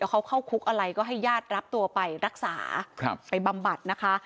เขาเข้าคุกอะไรก็ให้ญาติรับตัวไปรักษาไปบำบัดนะคะ